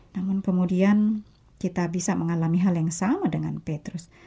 namun kemudian kita bisa mengalami hal yang sama dengan petrus